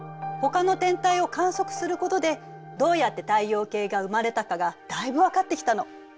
ほかの天体を観測することでどうやって太陽系が生まれたかがだいぶ分かってきたの。